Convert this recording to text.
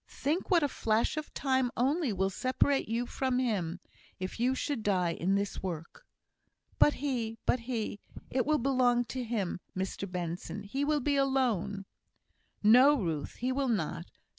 Think what a flash of time only will separate you from him, if you should die in this work!" "But he but he it will be long to him, Mr Benson! He will be alone!" "No, Ruth, he will not.